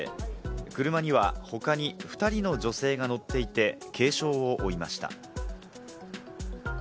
車には他に２人の女性が乗っていて軽傷を負いました。